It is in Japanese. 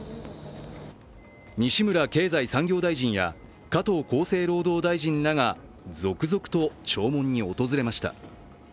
西村経済産業大臣や加藤厚生労働大臣らが続々と弔問に訪れました。